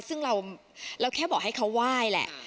ซึ่งเราแค่บอกให้เขาไหว้แหละ